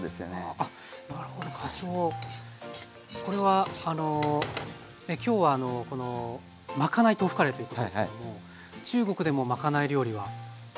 これはあの今日はまかない豆腐カレーということですけども中国でもまかない料理はつくられたんですか？